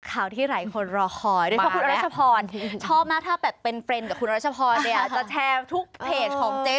ข่าวที่หลายคนรอคอยมาอะไรชอบหน้าทะแบบเป็นเพล็นด์กับคุณรัชพรเนี่ยจะแชร์ทุกเพจของเจ๊จู